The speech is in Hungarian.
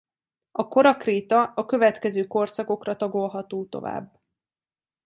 A kora kréta a következő korszakokra tagolható tovább.